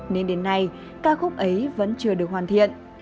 nên đến nay ca khúc ấy vẫn chưa được hoàn thiện